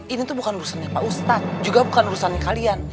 ini tuh bukan urusannya pak ustadz juga bukan urusannya kalian